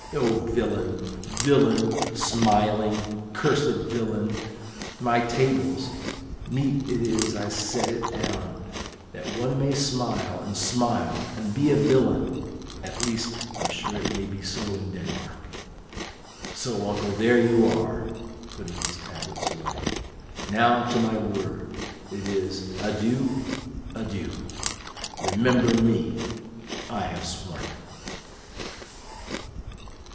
O villain, villain, smiling, cursed villain! My tables meet it is I set it down, that one may smile and smile, and be a villain at least, I'm sure it may be so in Denmark. So, uncle, there you are," putting his tablets away. "Now to my word. It is 'Adieu, adieu! Remember me!' I have sworn it!"